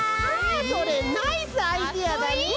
それナイスアイデアだね！